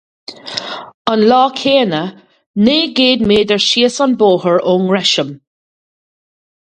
An lá céanna, naoi gcéad méadar síos an bóthar ón nGresham.